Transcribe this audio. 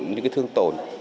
những cái thương tổn